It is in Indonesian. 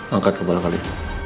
angkat kebarang kali